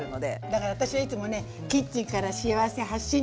だから私はいつもねキッチンから幸せ発信。